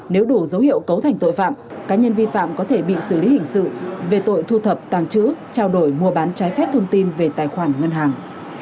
nếu đủ dấu hiệu cấu thành tội phạm cá nhân vi phạm có thể bị xử lý hình sự về tội thu thập tàng chữ trao đổi mua bán trái phép thông tin về tài khoản ngân hàng